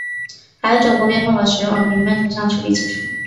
还有一种勾边方法使用了平面图像处理技术。